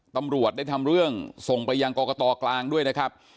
ตำรวจได้ทำเรื่องส่งไปยังกรกตกลางด้วยนะครับ